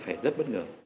phải rất bất ngờ